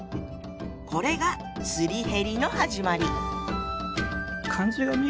これが「すり減り」の始まり。